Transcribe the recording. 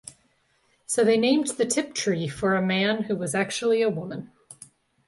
So they named the Tiptree for a man who was actually a woman.